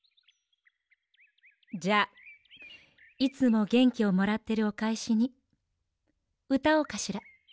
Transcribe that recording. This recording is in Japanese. じゃあいつもげんきをもらってるおかえしにうたおうかしら。